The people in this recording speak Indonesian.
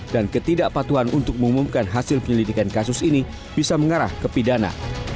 dan ketidakpatuhan untuk mengumumkan hasil penyelidikan kasus ini bisa mengarah ke pidana